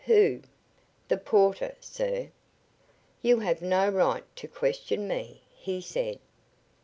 "Who?" "The porter, sir." "You have no right to question me," he said.